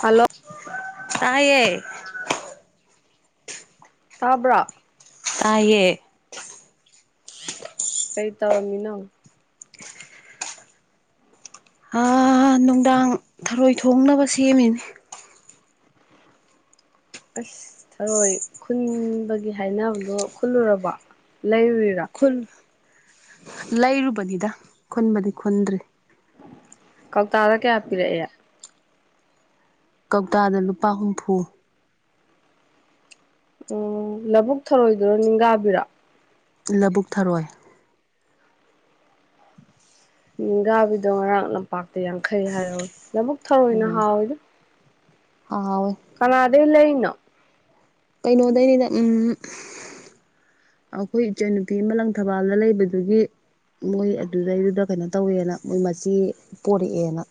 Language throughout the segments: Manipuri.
ꯍꯜꯂꯣ ꯇꯥꯏꯌꯦ ꯇꯥꯕ꯭ꯔꯥ ꯇꯥꯏꯌꯦ ꯀꯩ ꯇꯧꯔꯝꯃꯤꯅꯣ ꯑꯥ ꯅꯨꯡꯗꯥꯡ ꯊꯔꯣꯏ ꯊꯣꯡꯅꯕ ꯁꯦꯝꯃꯤꯅꯤ ꯑꯁ ꯊꯔꯣꯏ ꯈꯨꯟꯕꯒꯤ ꯍꯥꯏꯅꯕꯗꯣ ꯈꯨꯜꯂꯨꯔꯕꯣ ꯂꯩꯔꯨꯔꯤꯔꯥ ꯈꯨꯜ ꯂꯩꯔꯨꯕꯅꯤꯗ ꯈꯨꯟꯕꯗꯤ ꯈꯨꯟꯗ꯭ꯔꯤ ꯀꯧꯇꯥꯗ ꯀꯌꯥ ꯄꯤꯔꯑꯦ ꯀꯧꯇꯥꯗ ꯂꯨꯄꯥ ꯍꯨꯝꯐꯨ ꯑꯣ ꯂꯥꯕꯨꯛ ꯊꯔꯣꯏꯗꯨꯔꯣ ꯅꯤꯡꯒꯥꯕꯤꯔꯣ ꯂꯥꯕꯨꯛ ꯊꯔꯣꯏ ꯅꯤꯡꯒꯥꯕꯤꯗꯣ ꯉꯔꯥꯡ ꯂꯝꯄꯥꯛꯇꯥ ꯌꯥꯡꯈꯩ ꯍꯥꯏꯍꯧꯋꯦ ꯂꯥꯕꯨꯛ ꯊꯔꯣꯏꯅ ꯑꯣ ꯍꯥꯎꯋꯤꯗ ꯍꯥꯎꯋꯦ ꯀꯅꯥꯗꯩ ꯂꯩꯅꯣ ꯀꯩꯅꯣꯗꯩꯅꯤꯗ ꯎꯝ ꯑꯈꯣꯏ ꯏꯆꯟ ꯅꯨꯄꯤ ꯑꯃ ꯂꯪꯊꯕꯥꯜꯗ ꯂꯩꯕꯗꯨꯒꯤ ꯃꯣꯏ ꯑꯗꯨꯗꯩꯗꯨꯗ ꯀꯩꯅꯣ ꯇꯧꯋꯦꯅ ꯃꯣꯏ ꯃꯆꯦ ꯄꯣꯔꯛꯑꯦꯅ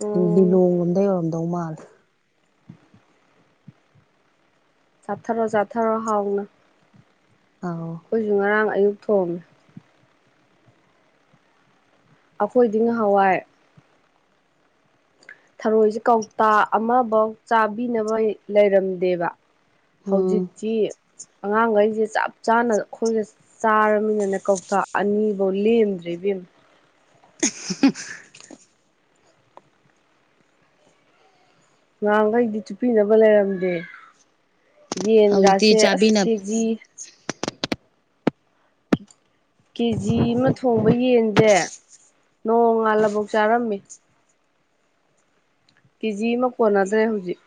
ꯎꯝ ꯂꯤꯂꯣꯡꯂꯣꯝꯗꯩ ꯑꯣꯏꯔꯝꯗꯧ ꯃꯥꯜꯂꯤ ꯆꯥꯊꯔꯣ ꯆꯥꯊꯔꯣ ꯍꯥꯎꯅ ꯑꯥꯎ ꯑꯈꯣꯏꯖꯨ ꯉꯔꯥꯡ ꯑꯌꯨꯛ ꯊꯣꯡꯉꯦ ꯑꯈꯣꯏꯗꯤ ꯉꯍꯥꯋꯥꯏ ꯊꯔꯣꯏꯖꯦ ꯀꯧꯇꯥ ꯑꯃꯕꯥꯎ ꯆꯥꯕꯤꯅꯕ ꯂꯩꯔꯝꯗꯦꯕ ꯎꯝ ꯍꯧꯖꯤꯛꯇꯤ ꯑꯉꯥꯡꯒꯩꯖꯤ ꯆꯞ ꯆꯥꯅ ꯈꯣꯏꯒ ꯆꯥꯔꯃꯤꯅꯅꯦ ꯀꯧꯇꯥ ꯑꯅꯤꯕꯣ ꯂꯦꯝꯗ꯭ꯔꯦ ꯏꯕꯦꯝ ꯍꯝ [unintelligible] ꯉꯥꯡꯒꯩꯗꯤ ꯆꯨꯞꯄꯤꯅꯕ ꯂꯩꯔꯝꯗꯦ ꯍꯧꯖꯤꯛꯇꯤ ꯌꯦꯟꯒꯁꯦ ꯑꯁ ꯆꯥꯕꯤꯅ ꯀꯦꯖꯤ ꯀꯦꯖꯤ ꯑꯃ ꯊꯣꯡꯕ ꯌꯦꯟꯖꯦ ꯅꯣꯡꯉꯥꯜꯂꯕꯣꯛ ꯆꯥꯔꯝꯃꯤ ꯀꯦꯖꯤ ꯑꯃ ꯀꯣꯟꯅꯗ꯭ꯔꯦ ꯍꯧꯖꯤꯛ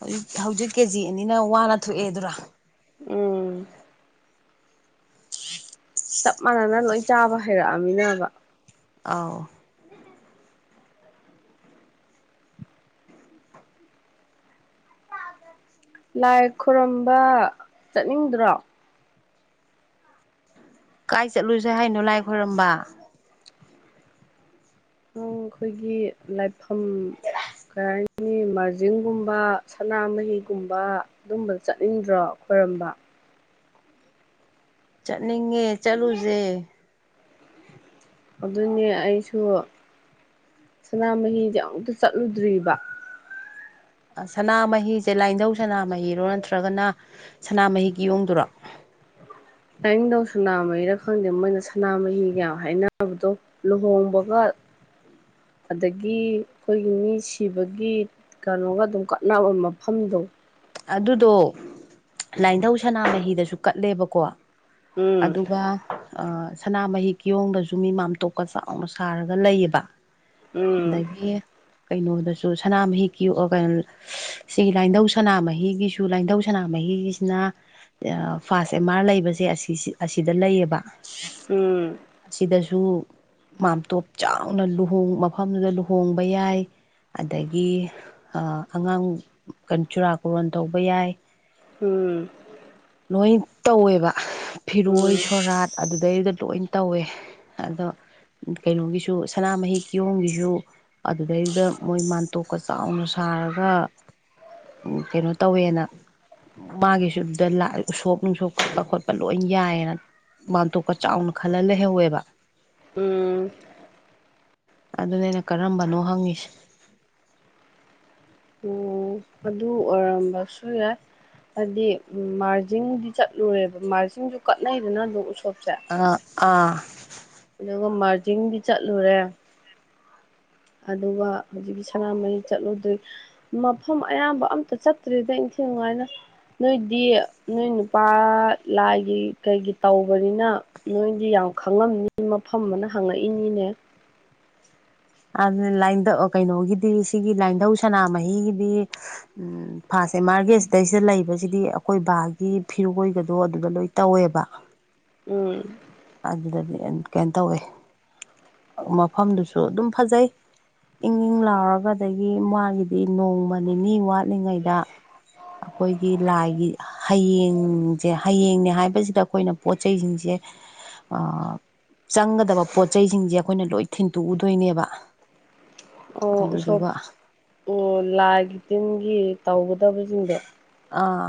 ꯍꯧꯖꯤꯛ ꯍꯧꯖꯤꯛ ꯀꯦꯖꯤ ꯑꯅꯤꯅ ꯋꯥꯅ ꯊꯣꯛꯑꯦ ꯑꯗꯨꯔꯥ ꯎꯝ ꯆꯞ ꯃꯥꯟꯅꯅ ꯂꯣꯏꯟ ꯆꯥꯕ ꯍꯩꯔꯛꯑꯃꯤꯅꯕ ꯑꯥꯎ ꯂꯥꯏ ꯈꯣꯔꯝꯕ ꯆꯠꯅꯤꯡꯗ꯭ꯔꯣ ꯀꯥꯏ ꯆꯠꯂꯨꯖꯦ ꯍꯥꯏꯅꯣ ꯂꯥꯏ ꯈꯣꯏꯔꯝꯕ ꯎꯝ ꯑꯩꯈꯣꯏꯒꯤ ꯂꯥꯏꯐꯝ ꯀꯩ ꯍꯥꯏꯅꯤ ꯃꯤ ꯃꯥꯔꯖꯤꯡꯒꯨꯝꯕ ꯁꯅꯥꯃꯍꯤꯒꯨꯝꯕ ꯑꯗꯨꯝꯕꯗ ꯆꯠꯅꯤꯡꯗ꯭ꯔꯣ ꯈꯣꯏꯔꯝꯕ ꯆꯠꯅꯤꯡꯉꯦ ꯆꯠꯂꯨꯖꯦ ꯑꯗꯨꯅꯦ ꯑꯩꯁꯨ ꯁꯟꯅꯥ ꯃꯍꯤꯁꯦ ꯑꯃꯨꯛꯇ ꯆꯠꯂꯨꯗ꯭ꯔꯤꯕ ꯑ ꯁꯅꯥꯃꯍꯤꯁꯦ ꯂꯥꯏꯟꯙꯧ ꯁꯅꯥꯃꯍꯤꯔꯣ ꯅꯠꯇ꯭ꯔꯒꯅ ꯁꯅꯥꯃꯍꯤ ꯀꯤꯌꯣꯡꯗꯨꯔꯣ ꯂꯥꯏꯅꯤꯡꯊꯧ ꯁꯅꯥꯃꯍꯤꯔ ꯈꯪꯗꯦ ꯃꯣꯏꯅ ꯁꯅꯥꯃꯍꯤꯒꯌꯥ ꯍꯥꯏꯅꯕꯗꯣ ꯂꯨꯍꯣꯡꯕꯒ ꯑꯗꯒꯤ ꯈꯣꯏꯒꯤ ꯃꯤ ꯁꯤꯕꯒꯤ ꯀꯅꯣꯒ ꯑꯗꯨꯝ ꯀꯥꯠꯅꯕ ꯃꯐꯝꯗꯣ ꯑꯗꯨꯗꯣ ꯂꯥꯏꯟꯊꯧ ꯁꯅꯥꯃꯍꯤꯗꯁꯨ ꯀꯠꯂꯦꯕꯀꯣ ꯎꯝ ꯑꯗꯨꯒ ꯑ ꯁꯅꯥꯃꯍꯤ ꯀꯤꯌꯣꯡꯗꯁꯨ ꯃꯤ ꯃꯥꯝꯇꯣꯞꯀ ꯆꯥꯎꯅ ꯁꯥꯔꯒ ꯂꯩꯌꯦꯕ ꯎꯝ ꯑꯗꯒꯤ ꯀꯩꯅꯣꯗꯁꯨ ꯁꯅꯥꯃꯍꯤꯀꯤ ꯑꯣ ꯒꯜ ꯁꯤ ꯂꯥꯏꯟꯙꯧ ꯁꯟꯅꯥꯃꯍꯤꯒꯤꯁꯨ ꯂꯥꯏꯟꯙꯧ ꯁꯅꯥꯃꯍꯤꯒꯤꯁꯤꯅ ꯇꯦꯑ ꯐꯥꯁ ꯑꯦꯝ ꯑꯥꯔ ꯂꯩꯕꯁꯦ ꯑꯁꯤ ꯁꯤ ꯑꯁꯤꯗ ꯂꯩꯌꯦꯕ ꯎꯝ ꯑꯁꯤꯗꯁꯨ ꯃꯥꯝꯇꯣꯞ ꯆꯥꯎꯅ ꯂꯨꯍꯣꯛ ꯃꯐꯝꯗꯨꯗ ꯂꯨꯍꯣꯡꯕ ꯌꯥꯏ ꯑꯗꯒꯤ ꯑ ꯑꯉꯥꯡ ꯆꯨꯔꯥꯀꯣꯔꯣꯟ ꯇꯧꯕ ꯌꯥꯏ ꯎꯝ ꯂꯣꯏ ꯇꯧꯋꯦꯕ ꯐꯤꯔꯣꯏ ꯎꯝ ꯁꯣꯔꯥꯠ ꯑꯗꯨꯗꯩꯗ ꯂꯣꯏꯟ ꯇꯧꯋꯦ ꯑꯗꯣ ꯀꯩꯅꯣꯒꯤꯁꯨ ꯁꯅꯥꯃꯍꯤ ꯀꯤꯌꯣꯡꯒꯤꯖꯨ ꯑꯗꯨꯗꯩꯗ ꯃꯣꯏ ꯃꯥꯟꯇꯣꯞꯀ ꯆꯥꯎꯅ ꯁꯥꯔꯒ ꯎꯝ ꯀꯩꯅꯣ ꯇꯧꯋꯦꯅ ꯃꯥꯒꯤꯁꯨꯗꯑ ꯎꯁꯣꯛꯞ ꯅꯨꯡꯁꯣꯛꯞ ꯈꯣꯠꯄ ꯈꯣꯠꯄ ꯂꯣꯏ ꯌꯥꯏꯌꯦꯅ ꯃꯥꯟꯇꯣꯛꯞꯀ ꯆꯥꯎꯅ ꯈꯜꯂ ꯂꯩꯍꯧꯋꯦꯕ ꯎꯝ ꯑꯗꯨꯅꯦ ꯑꯩꯅ ꯀꯔꯝꯕꯅꯣ ꯍꯪꯉꯤꯁꯦ ꯑꯣ ꯑꯗꯨ ꯑꯣꯏꯔꯝꯕꯁꯨ ꯌꯥꯏ ꯍꯥꯏꯗꯤ ꯎꯝ ꯃꯥꯔꯖꯤꯡꯗꯤ ꯆꯠꯂꯨꯔꯦꯕ ꯃꯥꯔꯖꯤꯡꯁꯨ ꯀꯠꯅꯩꯗꯅ ꯑꯗꯨꯝ ꯎꯁꯣꯞꯁꯦ ꯑꯥ ꯑꯥ ꯑꯗꯨꯒ ꯃꯥꯔꯖꯤꯟꯗꯤ ꯆꯠꯂꯨꯔꯦ ꯑꯗꯨꯒ ꯍꯧꯖꯤꯛꯀꯤ ꯁꯅꯥꯃꯍꯤ ꯆꯠꯂꯨꯗ꯭ꯔꯤ ꯃꯐꯝ ꯑꯌꯥꯝꯕ ꯑꯝꯇ ꯆꯠꯇ꯭ꯔꯤꯗ ꯏꯟꯊꯤꯉꯥꯏꯅ ꯅꯣꯏꯗꯤ ꯅꯣꯏ ꯅꯨꯄꯥ ꯂꯥꯏꯒꯤ ꯀꯩꯒꯤ ꯇꯧꯕꯅꯤꯅ ꯅꯣꯏꯗꯤ ꯌꯥꯝ ꯈꯪꯉꯝꯅꯤ ꯃꯐꯝ ꯑꯅ ꯍꯪꯉꯛꯏꯅꯤꯅꯦ ꯑꯗꯨꯅ ꯂꯥꯏꯗ ꯀꯩꯅꯣꯒꯤꯗꯤ ꯁꯤꯒꯤ ꯂꯥꯏꯙꯧ ꯁꯅꯥꯃꯍꯤꯒꯤꯗꯤ ꯎꯝ ꯐꯥꯁ ꯑꯦꯝꯑꯔꯒꯤ ꯑꯁꯤꯗꯩꯁꯤꯗ ꯂꯩꯕꯁꯤꯗꯤ ꯑꯈꯣꯏ ꯕꯥꯒꯤ ꯐꯤꯔꯣꯏꯒꯗꯣ ꯑꯗꯨꯗ ꯂꯣꯏ ꯇꯧꯋꯦꯕ ꯎꯝ ꯑꯗꯨꯗꯗꯤ ꯀꯩꯅꯣ ꯇꯧꯋꯦ ꯃꯐꯝꯗꯨꯁꯨ ꯑꯗꯨꯝ ꯐꯖꯩ ꯏꯪ ꯏꯪ ꯂꯥꯎꯔꯒꯗꯒꯤ ꯃꯥꯒꯤꯗꯤ ꯅꯣꯡꯃ ꯅꯤꯅꯤ ꯋꯥꯠꯂꯤꯉꯩꯗ ꯑꯈꯣꯏꯒꯤ ꯂꯥꯏꯒꯤ ꯍꯌꯦꯡꯖꯦ ꯍꯌꯦꯡꯅꯦ ꯍꯥꯏꯕꯁꯤꯗ ꯑꯈꯣꯏꯅ ꯄꯣꯠ ꯆꯩꯁꯤꯡꯁꯦ ꯑꯥ ꯆꯪꯒꯗꯕ ꯄꯣꯠ ꯆꯩꯁꯤꯡꯁꯦ ꯑꯈꯣꯏꯅ ꯂꯣꯏ ꯊꯤꯟꯇꯣꯛꯎꯗꯣꯏꯅꯦꯕ ꯑꯣ ꯎꯁꯣꯞ ꯑꯗꯨꯗꯨꯒ ꯑꯣ ꯂꯥꯏꯒꯤ ꯇꯤꯟꯒꯤ ꯇꯧꯒꯗꯕꯁꯤꯡꯗꯣ ꯑꯥ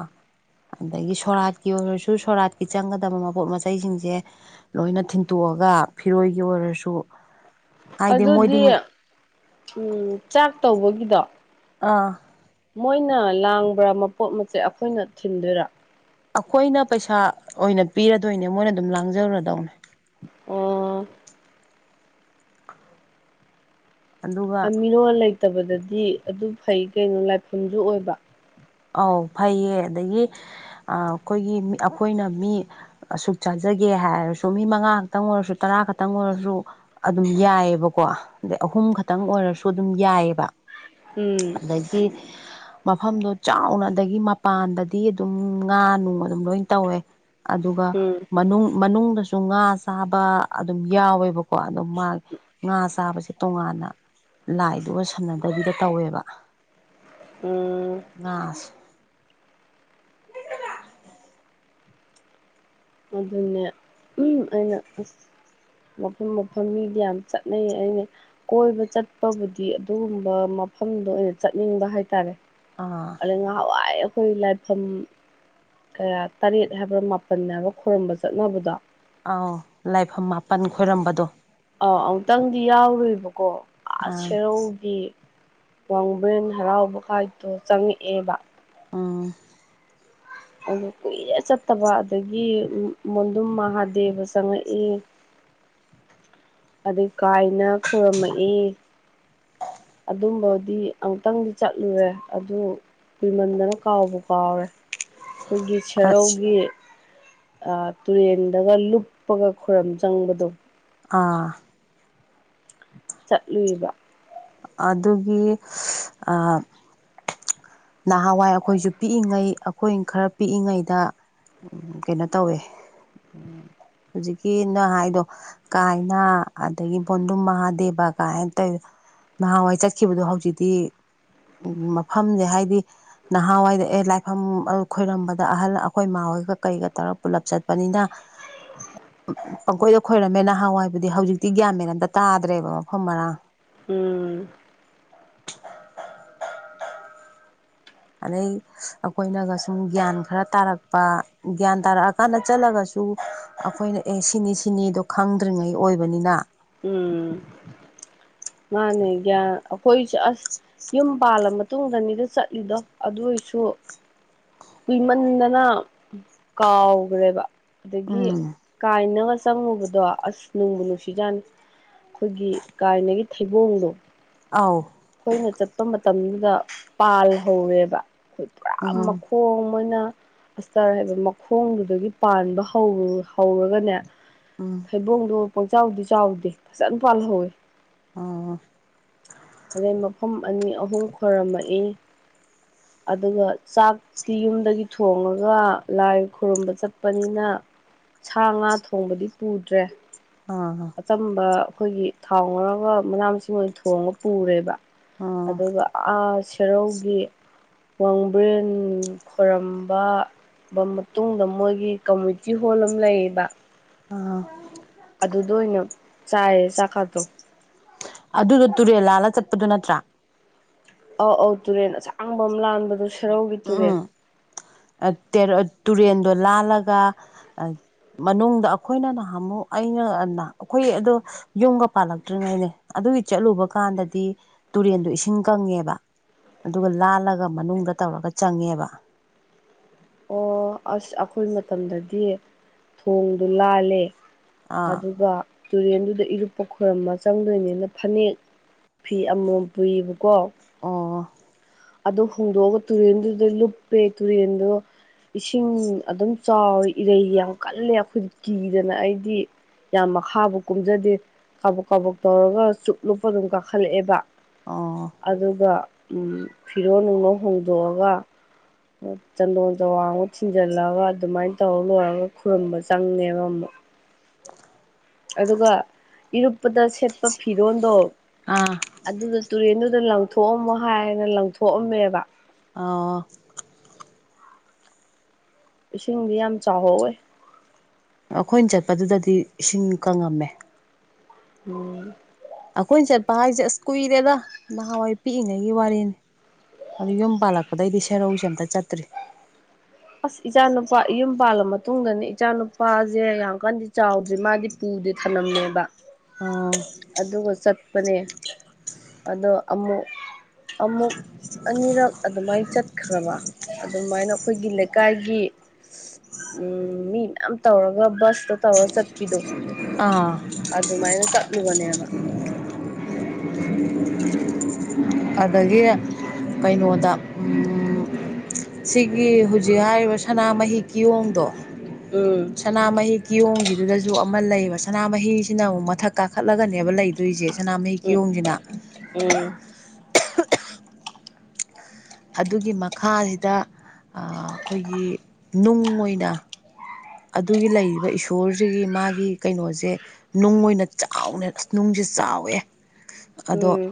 ꯑꯗꯒꯤ ꯁꯣꯔꯥꯠꯀꯤ ꯑꯣꯏꯔꯁꯨ ꯁꯣꯔꯥꯠꯀꯤ ꯆꯪꯒꯗꯕ ꯃꯄꯣꯠ ꯃꯆꯩꯁꯤꯡꯁꯦ ꯂꯣꯏꯅ ꯊꯤꯟꯇꯣꯛꯑꯒ ꯐꯤꯔꯣꯏꯒꯤ ꯑꯣꯏꯔꯁꯨ ꯍꯥꯏꯗꯤ ꯃꯣꯏꯗꯤ ꯑꯗꯨꯗꯤ ꯎꯝ ꯆꯥꯛ ꯇꯧꯕꯒꯤꯗꯣ ꯑꯥ ꯃꯣꯏꯅ ꯂꯥꯡꯕ꯭ꯔꯥ ꯃꯄꯣꯠ ꯃꯆꯦ ꯑꯈꯣꯏꯅ ꯊꯤꯟꯗꯣꯏꯔꯥ ꯑꯈꯣꯏꯅ ꯄꯩꯁꯥ ꯑꯣꯏꯅ ꯄꯤꯔꯗꯣꯏꯅꯦ ꯃꯣꯏꯅ ꯑꯗꯨꯝ ꯂꯥꯡꯖꯒꯔꯥꯗꯧꯅꯦ ꯑꯣ ꯑꯗꯨꯒ ꯃꯤꯔꯣꯜ ꯂꯩꯇꯕꯗꯗꯤ ꯑꯗꯨ ꯐꯩ ꯀꯩꯅꯣ ꯂꯥꯏꯐꯝꯖꯨ ꯑꯣꯏꯕ ꯑꯧ ꯐꯩꯌꯦ ꯑꯗꯒꯤ ꯑꯩꯈꯣꯏꯒꯤ ꯑꯩꯈꯣꯏꯅ ꯃꯤ ꯑꯁꯨꯛ ꯆꯥꯖꯒꯦ ꯍꯥꯏꯔꯁꯨ ꯃꯤ ꯃꯉꯥ ꯈꯛꯇꯪ ꯑꯣꯏꯔꯁꯨ ꯇꯔꯥ ꯈꯛꯇꯪ ꯑꯣꯏꯔꯖꯨ ꯑꯗꯨꯝ ꯌꯥꯏꯕꯀꯣ ꯑꯗꯩ ꯑꯍꯨꯝ ꯈꯛꯇꯪ ꯑꯣꯏꯔꯁꯨ ꯑꯗꯨꯝ ꯌꯥꯏꯕ ꯎꯝ ꯑꯗꯒꯤ ꯃꯐꯝꯗꯣ ꯆꯥꯎꯅ ꯑꯗꯒꯤ ꯃꯄꯥꯟꯗꯗꯤ ꯑꯗꯨꯝ ꯉꯥ ꯅꯨꯡ ꯑꯗꯨꯝ ꯂꯣꯏ ꯇꯧꯋꯦ ꯑꯗꯨꯒ ꯎꯝ ꯃꯅꯨꯡ ꯃꯅꯨꯡꯗꯁꯨ ꯉꯥ ꯆꯥꯕ ꯑꯗꯨꯝ ꯌꯥꯎꯋꯦꯕꯀꯣ ꯑꯗꯨꯝ ꯃꯥ ꯉꯥ ꯆꯥꯕꯁꯦ ꯇꯣꯉꯥꯟꯅ ꯂꯥꯏꯗꯨꯒ ꯁꯝꯅꯗꯕꯤꯗ ꯇꯧꯋꯦꯕ ꯎꯝ ꯉꯥ ꯑꯗꯨꯅꯦ ꯎꯝ ꯑꯩꯅ ꯑꯁ ꯃꯐꯝ ꯃꯐꯝ ꯃꯤꯗꯤ ꯌꯥꯝ ꯆꯠꯅꯩ ꯑꯩꯅ ꯀꯣꯏꯕ ꯆꯠꯄꯕꯨꯗꯤ ꯑꯗꯨꯒꯨꯝꯕ ꯃꯐꯝꯗꯣ ꯑꯣꯏꯅ ꯆꯠꯅꯤꯡꯕ ꯍꯥꯏꯇꯥꯔꯦ ꯑꯥ ꯑꯗꯩ ꯉꯍꯥꯟꯋꯥꯏ ꯑꯩꯈꯣꯏ ꯂꯥꯏꯐꯝ ꯀꯌꯥ ꯇꯔꯦꯠ ꯍꯥꯏꯕ꯭ꯔꯥ ꯃꯥꯄꯟ ꯍꯥꯏꯕ ꯈꯣꯏꯔꯨꯝꯕ ꯆꯠꯅꯕꯗꯣ ꯑꯥꯎ ꯂꯥꯏꯐꯝ ꯃꯥꯄꯟ ꯈꯣꯏꯔꯝꯕꯗꯣ ꯑꯥ ꯑꯃꯨꯛꯇꯪꯗꯤ ꯌꯥꯎꯔꯨꯏꯕꯀꯣ ꯑꯥ ꯁꯦꯔꯧꯒꯤ ꯋꯥꯡꯕ꯭ꯔꯦꯟ ꯍꯔꯥꯎꯕ ꯈꯥꯏꯗꯣ ꯆꯪꯉꯛꯑꯦꯕ ꯑꯥ ꯑꯗꯨ ꯀꯨꯏꯔꯦ ꯆꯠꯇꯕ ꯑꯗꯒꯤ ꯃꯣꯟꯗꯨꯝ ꯃꯍꯥꯗꯦꯕ ꯆꯪꯉꯛꯏ ꯑꯗꯩ ꯀꯥꯏꯅ ꯈꯣꯏꯔꯨꯝꯃꯛꯏ ꯑꯗꯨꯝꯕꯗꯤ ꯑꯃꯨꯛꯇꯪꯗꯤ ꯆꯠꯂꯨꯔꯦ ꯑꯗꯨ ꯀ꯭ꯋꯤꯃꯟꯗꯅ ꯀꯥꯎꯕꯨ ꯀꯥꯎꯔꯦ ꯑꯩꯈꯣꯏꯒꯤ ꯑꯥ ꯁꯦꯔꯧꯒꯤ ꯇꯨꯔꯦꯟꯗꯒ ꯂꯨꯞꯄꯒ ꯈꯣꯔꯝ ꯆꯪꯕꯗꯣ ꯑꯥ ꯆꯠꯂꯨꯏꯕ ꯑꯗꯨꯒꯤ ꯑꯥ ꯅꯍꯥꯟꯋꯥꯏ ꯑꯩꯈꯣꯏꯖꯨ ꯄꯤꯛꯏꯉꯩ ꯑꯩꯈꯣꯏ ꯈꯔ ꯄꯤꯛꯏꯉꯩꯗ ꯎꯝ ꯀꯩꯅꯣ ꯇꯧꯋꯦ ꯎꯝ ꯍꯧꯖꯤꯛꯀꯤ ꯅꯪ ꯍꯥꯏꯗꯣ ꯀꯥꯏꯅ ꯑꯗꯒꯤ ꯕꯣꯟꯗꯨꯝ ꯃꯍꯥꯗꯦꯕ ꯀꯥꯏꯅ ꯇꯩ ꯅꯍꯥꯟꯋꯥꯏ ꯆꯠꯈꯤꯕꯗꯣ ꯍꯧꯖꯤꯛꯇꯤ ꯎꯝ ꯃꯐꯝꯖꯦ ꯍꯥꯏꯗꯤ ꯅꯍꯥꯟꯋꯥꯏꯗ ꯑꯦ ꯂꯥꯏꯐꯝ ꯈꯣꯏꯔꯝꯕꯗ ꯑꯍꯜ ꯑꯩꯈꯣꯏ ꯏꯃꯥ ꯍꯣꯏꯒ ꯀꯩꯒ ꯇꯧꯔꯒ ꯄꯨꯂꯞ ꯆꯠꯄꯅꯤꯅ [unintelligible] ꯄꯪꯈꯣꯏꯗ ꯈꯣꯏꯔꯝꯃꯦ ꯅꯍꯥꯟꯋꯥꯏꯕꯨꯗꯤ ꯍꯧꯖꯤꯛꯇꯤ ꯒ꯭ꯌꯥꯟ ꯃꯦꯟꯠ ꯑꯝꯇꯥ ꯇꯥꯗ꯭ꯔꯦꯕ ꯃꯐꯝ ꯃꯔꯥꯡ ꯎꯝ ꯑꯗꯩ ꯑꯩꯈꯣꯏꯅꯒ ꯁꯨꯝ ꯒ꯭ꯌꯥꯟ ꯈꯔ ꯇꯥꯔꯛꯄ ꯒ꯭ꯌꯥꯟ ꯇꯥꯔꯛꯑꯀꯥꯟꯗ ꯆꯠꯂꯒꯁꯨ ꯑꯩꯈꯣꯏꯅ ꯑꯦ ꯁꯤꯅꯤ ꯁꯤꯅꯤꯗꯣ ꯈꯪꯗ꯭ꯔꯤꯉꯩ ꯑꯣꯏꯕꯅꯤꯅ ꯎꯝ ꯃꯥꯅꯦ ꯒ꯭ꯌꯥꯟ ꯑꯩꯈꯣꯏꯁꯨ ꯑꯁ ꯌꯨꯝ ꯄꯥꯜꯂꯝ ꯃꯥꯇꯨꯡꯗꯅꯤꯗ ꯆꯠꯂꯤꯗꯣ ꯑꯗꯨ ꯑꯣꯏꯁꯨ ꯀꯨꯏꯃꯟꯗꯅ ꯀꯥꯎꯒ꯭ꯔꯦꯕ ꯑꯗꯒꯤ ꯎꯝ ꯀꯥꯏꯅꯒ ꯆꯪꯉꯨꯕꯗꯣ ꯑꯁ ꯅꯨꯡꯕꯨ ꯅꯨꯡꯁꯤꯖꯥꯅꯤ ꯑꯩꯈꯣꯏꯒꯤ ꯀꯥꯏꯅꯒꯤ ꯊꯩꯕꯣꯡꯗꯣ ꯑꯥꯎ ꯑꯩꯈꯣꯏꯅ ꯆꯠꯄ ꯃꯇꯝꯗꯨꯗ ꯄꯥꯜ ꯍꯧꯔꯦꯕ ꯑꯈꯣꯏ ꯄꯨꯔꯥ ꯎꯝ ꯃꯈꯣꯡ ꯃꯣꯏꯅ ꯑꯁꯇꯔ ꯍꯥꯏꯕ ꯃꯈꯣꯡꯗꯨꯗꯒꯤ ꯄꯥꯟꯕ ꯍꯧꯔꯒꯅꯦ ꯎꯝ ꯊꯩꯕꯣꯡꯗꯣ ꯄꯪꯆꯥꯎꯗꯤ ꯆꯥꯎꯗꯦ ꯐꯖꯅ ꯄꯥꯜꯍꯧꯋꯤ ꯑꯣ ꯑꯗꯩ ꯃꯐꯝ ꯑꯅꯤ ꯑꯍꯨꯝ ꯈꯣꯏꯔꯝꯃꯛꯏ ꯑꯗꯨꯒ ꯆꯥꯛ ꯇꯤ ꯌꯨꯝꯗꯒꯤ ꯊꯣꯡꯉꯒ ꯂꯥꯏ ꯈꯨꯔꯨꯝꯕ ꯆꯠꯄꯅꯤꯅ ꯁꯥ ꯉꯥ ꯊꯣꯡꯕꯗꯤ ꯄꯨꯗ꯭ꯔꯦ ꯑ ꯑꯆꯝꯕ ꯑꯩꯈꯣꯏꯒꯤ ꯊꯥꯎ ꯉꯧꯔꯒ ꯃꯅꯥ ꯃꯁꯤꯡ ꯑꯣꯏꯅ ꯊꯣꯡꯉ ꯄꯨꯔꯦꯕ ꯑꯥ ꯑꯗꯨꯒ ꯑ ꯁꯦꯔꯧꯒꯤ ꯋꯥꯡꯕ꯭ꯔꯦꯟ ꯈꯣꯏꯔꯝꯕ ꯃꯇꯨꯡꯗ ꯃꯣꯏꯒꯤ ꯀꯝꯃꯨꯅꯤꯇꯤ ꯍꯣꯜ ꯑꯃ ꯂꯩꯌꯦꯕ ꯑ ꯑꯗꯨꯗ ꯑꯣꯏꯅ ꯆꯥꯏꯌꯦ ꯆꯥꯛꯀꯇꯣ ꯑꯗꯨꯗꯣ ꯇꯨꯔꯦꯜ ꯂꯥꯜꯂ ꯆꯠꯄꯗꯣ ꯅꯠꯇ꯭ꯔꯥ ꯑꯧ ꯑꯧ ꯇꯨꯔꯦꯟ ꯑꯁꯥꯡꯕ ꯑꯃ ꯂꯥꯟꯕꯗꯣ ꯁꯦꯔꯧꯒꯤ ꯇꯨꯔꯦꯜ ꯎꯝ ꯇꯨꯔꯦꯟꯗꯣ ꯂꯥꯜꯂꯒ ꯃꯅꯨꯡꯗ ꯑꯩꯈꯣꯏꯅ ꯅꯍꯃꯨꯛ ꯑꯩꯅ ꯑꯩꯈꯣꯏ ꯑꯗꯣ ꯌꯨꯝꯒ ꯄꯥꯜꯂꯛꯇ꯭ꯔꯤꯉꯩꯅꯦ ꯑꯗꯨꯒꯤ ꯆꯠꯂꯨꯕ ꯀꯥꯟꯗꯗꯤ ꯇꯨꯔꯦꯟꯗꯣ ꯏꯁꯤꯡ ꯀꯪꯉꯦꯕ ꯑꯗꯨꯒ ꯂꯥꯜꯂꯒ ꯃꯅꯨꯡꯗ ꯇꯧꯔꯒ ꯆꯪꯉꯦꯕ ꯑꯣ ꯑꯁ ꯑꯩꯈꯣꯏ ꯃꯇꯝꯗꯗꯤ ꯊꯣꯡꯗꯨ ꯂꯥꯜꯂꯦ ꯑꯥ ꯑꯗꯨꯒ ꯇꯨꯔꯦꯟꯗꯨꯗ ꯏꯔꯨꯞꯄ ꯈꯣꯏꯔꯝꯃ ꯆꯪꯗꯣꯏꯅꯤꯅ ꯐꯅꯦꯛ ꯐꯤ ꯑꯃꯃꯝ ꯄꯨꯏꯌꯦꯕꯀꯣ ꯑꯣ ꯑꯗꯨ ꯍꯣꯡꯗꯣꯛꯑꯒ ꯇꯨꯔꯦꯟꯗꯨꯗ ꯂꯨꯞꯄꯦ ꯇꯨꯔꯦꯟꯗꯣ ꯏꯁꯤꯡ ꯑꯗꯨꯝ ꯆꯥꯎꯋꯤ ꯏꯔꯩ ꯌꯥꯝ ꯀꯜꯂꯦ ꯑꯩꯈꯣꯏꯗꯤ ꯀꯤꯗꯅ ꯑꯩꯗꯤ ꯌꯥꯝ ꯃꯈꯥꯕꯨ ꯀꯨꯝꯖꯗꯦ ꯀꯥꯕꯛ ꯀꯥꯕꯛ ꯇꯧꯔꯒ ꯆꯨꯞ ꯂꯨꯞꯄ ꯑꯗꯨꯝ ꯀꯥꯈꯠꯂꯛꯑꯦꯕ ꯑꯣ ꯑꯗꯨꯒ ꯐꯤꯔꯣ ꯅꯨꯡꯅꯣ ꯍꯣꯡꯗꯣꯛꯑꯒ ꯆꯟꯗꯣꯟ ꯆꯋꯥꯡꯃꯨꯛ ꯊꯤꯟꯖꯜꯂꯒ ꯑꯗꯨꯃꯥꯏꯅ ꯇꯧꯔ ꯂꯣꯏꯔꯒ ꯈꯨꯔꯨꯝꯝꯕ ꯆꯪꯉꯦꯕ ꯑꯃꯨꯛ ꯑꯗꯨꯒ ꯏꯔꯨꯞꯄꯗ ꯁꯦꯠꯄ ꯐꯤꯔꯣꯟꯜꯗꯣ ꯑꯥ ꯑꯗꯨꯗ ꯇꯨꯔꯦꯟꯗꯨꯗ ꯂꯪꯊꯣꯛꯑꯝꯃꯣ ꯍꯥꯏꯅ ꯂꯪꯊꯣꯛꯑꯝꯃꯦꯕ ꯑꯥ ꯏꯁꯤꯡꯗꯤ ꯌꯥꯝ ꯆꯥꯎꯍꯧꯋꯦ ꯑꯩꯈꯣꯏꯅ ꯆꯠꯄꯗꯨꯗꯗꯤ ꯏꯁꯤꯡ ꯀꯪꯉꯝꯃꯦ ꯎ ꯑꯩꯈꯣꯏꯅ ꯆꯠꯄ ꯍꯥꯏꯁꯦ ꯑꯁ ꯀꯨꯏꯔꯦꯗ ꯅꯍꯥꯟꯋꯥꯏ ꯄꯤꯛꯏꯉꯩꯒꯤ ꯋꯥꯔꯤꯅꯤ ꯑꯗꯨ ꯌꯨꯝ ꯄꯥꯜꯂꯛꯄꯗꯩꯗꯤ ꯁꯦꯔꯧꯁꯦ ꯑꯝꯇ ꯆꯠꯇ꯭ꯔꯤ ꯑꯁ ꯏꯆꯥꯅꯨꯄꯥ ꯌꯨꯝ ꯄꯥꯜꯂ ꯃꯇꯨꯡꯗꯅꯤ ꯏꯆꯥꯅꯨꯄꯥꯁꯦ ꯌꯥꯝ ꯀꯟꯗꯤ ꯆꯥꯎꯗ꯭ꯔꯤ ꯃꯥꯗꯤ ꯄꯨꯗꯦ ꯊꯝꯂꯝꯃꯦꯕ ꯑꯥ ꯑꯗꯨꯒ ꯆꯠꯄꯅꯦ ꯑꯗꯣ ꯑꯃꯨꯛ ꯑꯃꯨꯛ ꯑꯅꯤꯔꯛ ꯑꯗꯨꯃꯥꯏꯅ ꯆꯠꯈ꯭ꯔꯕ ꯑꯗꯨꯃꯥꯏꯅ ꯑꯩꯈꯣꯏꯒꯤ ꯂꯩꯀꯥꯏꯒꯤ ꯎꯝ ꯃꯤ ꯃꯌꯥꯝ ꯇꯧꯔꯒ ꯕꯁꯇ ꯇꯧꯔꯒ ꯆꯠꯄꯤꯗꯣ ꯑꯥ ꯑꯗꯨꯃꯥꯏꯅ ꯆꯠꯂꯨꯕꯅꯦꯕ ꯎꯝ ꯑꯗꯒꯤ ꯀꯩꯅꯣꯗ ꯁꯤꯒꯤ ꯍꯧꯖꯤꯛ ꯍꯥꯏꯔꯤꯕ ꯁꯅꯥꯃꯍꯤ ꯀꯤꯌꯣꯡꯗꯣ ꯎꯝ ꯁꯅꯥꯃꯍꯤ ꯀꯤꯌꯣꯡꯒꯤꯗꯨꯗꯁꯨ ꯑꯃ ꯂꯩꯌꯦꯕ ꯁꯅꯥꯃꯍꯤꯁꯤꯅ ꯑꯃꯨꯛ ꯃꯊꯛ ꯀꯥꯈꯠꯂꯒꯅꯦꯕ ꯂꯩꯗ ꯑꯗꯨꯏꯁꯦ ꯁꯅꯥꯃꯍꯤ ꯀꯤꯌꯣꯡꯁꯤꯅ ꯎ ꯑꯗꯨꯒꯤ ꯃꯈꯥꯁꯤꯗ ꯑꯩꯈꯣꯏꯒꯤ ꯅꯨꯡ ꯑꯣꯏꯅ ꯑꯗꯨꯒꯤ ꯂꯩꯔꯤꯕ ꯏꯁꯣꯔꯁꯤꯒꯤ ꯃꯥꯒꯤ ꯀꯩꯅꯣꯁꯦ ꯅꯨꯡ ꯑꯣꯏꯅ ꯆꯥꯎꯅ ꯑꯁ ꯅꯨꯡꯁꯦ ꯆꯥꯎꯋꯦ ꯎꯝ ꯑꯗꯣ ꯎꯝ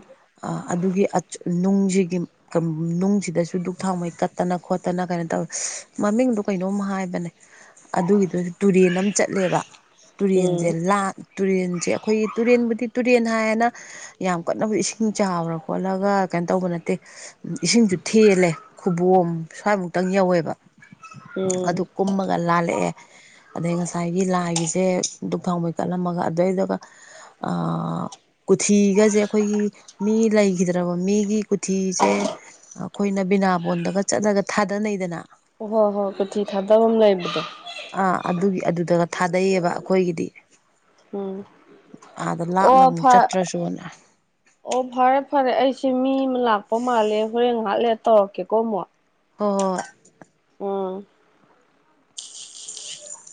ꯑꯗꯨꯒꯤ ꯅꯨꯡꯁꯤꯒꯤ ꯅꯨꯡꯁꯤꯗꯁꯨ ꯗꯨꯛ ꯊꯥꯎꯉꯩ ꯀꯠꯇꯅ ꯈꯣꯠꯇꯅ ꯀꯩꯅꯣ ꯇꯧꯋꯦ ꯃꯃꯤꯡꯗꯣ ꯀꯩꯅꯣꯝ ꯍꯥꯏꯕꯅꯦ ꯑꯗꯨꯒꯤꯗꯨꯁꯨ ꯇꯨꯔꯦꯟ ꯑꯃ ꯆꯠꯂꯦꯕ ꯇꯨꯔꯦꯟꯁꯦ ꯎꯝ ꯇꯨꯔꯦꯟꯁꯦ ꯑꯩꯈꯣꯏꯒꯤ ꯇꯨꯔꯦꯟꯕꯨꯗꯤ ꯇꯨꯔꯦꯟ ꯍꯥꯏꯌꯦꯅ ꯌꯥꯝ ꯀꯟꯅꯅꯕ ꯏꯁꯤꯡ ꯆꯥꯎꯕ꯭ꯔꯥ ꯈꯣꯠꯂꯒ ꯀꯩꯅꯣ ꯇꯧꯕ ꯅꯠꯇꯦ ꯏꯁꯤꯡꯁꯨ ꯊꯦꯜꯂꯦ ꯈꯨꯕꯣꯝ ꯁ꯭ꯋꯥꯏꯃꯨꯛꯇꯪ ꯌꯧꯋꯦꯕ ꯑꯗꯨ ꯎꯝ ꯀꯨꯝꯃꯒ ꯂꯥꯜꯂ ꯂꯛꯑꯦ ꯑꯗꯩ ꯉꯁꯥꯏꯒꯤ ꯂꯥꯏꯒꯤꯁꯦ ꯙꯛ ꯊꯥꯡꯕꯩ ꯀꯠꯂꯝꯃꯒ ꯑꯗꯨꯏꯗꯨꯒ ꯑ ꯀꯣꯊꯤꯒꯁꯦ ꯑꯩꯈꯣꯏꯒꯤ ꯃꯤ ꯂꯩꯈꯤꯗ꯭ꯔꯕ ꯃꯤꯒꯤ ꯀꯣꯊꯤꯁꯦ ꯑꯩꯈꯣꯏꯅ ꯕꯤꯅꯥꯕꯣꯟꯗꯒ ꯆꯠꯂꯒ ꯊꯥꯗꯅꯩꯗꯅ ꯑꯣ ꯍꯣ ꯍꯣꯏ ꯄꯩꯊꯤ ꯊꯥꯗꯕ ꯑꯃ ꯂꯩꯕꯗꯣ ꯑꯥ ꯑꯗꯨꯒꯤ ꯑꯗꯨꯗꯒ ꯊꯥꯗꯩꯌꯦꯕ ꯑꯩꯈꯣꯏꯒꯤꯗꯤ ꯎꯝ ꯑꯥꯗ ꯂꯥꯞꯅ ꯑꯣ ꯑꯃꯨꯛ ꯐ ꯆꯠꯇ꯭ꯔꯁꯨꯅ ꯑꯣ ꯐꯔꯦ ꯐꯔꯦ ꯑꯩꯁꯦ ꯃꯤ ꯑꯃ ꯂꯥꯛꯄ ꯃꯥꯜꯂꯦ ꯍꯣꯔꯦꯟ ꯍꯥꯠꯂꯦ ꯇꯧꯔꯛꯀꯦꯀꯣ ꯑꯃꯨꯛ ꯍ ꯍꯣꯏ ꯎꯝ ꯎ